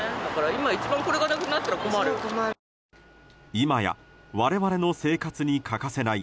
今や我々の生活に欠かせない